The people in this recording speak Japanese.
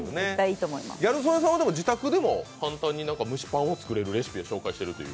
ギャル曽根さんは自宅でも簡単に自宅で作れるレシピを紹介しているという？